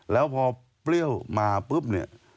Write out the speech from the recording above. แล้วพอเปรี้ยวมาปุ๊บเนี่ย